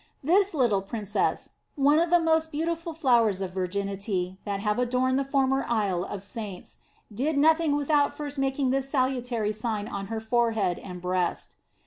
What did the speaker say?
This little princess, one of the most beautiful flowers of virginity that have adorned the former Isle of Saints, did nothing without first making this salutary sign on her forehead and breast.